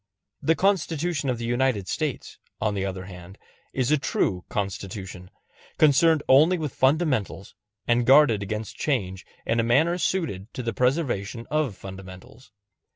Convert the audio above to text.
The Constitution of the United States, on the other hand, is a true Constitution concerned only with fundamentals, and guarded against change in a manner suited to the preservation of fundamentals.